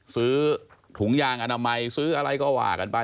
ซื้อถุงยางอนามัยซื้ออะไรก็ว่ากันไป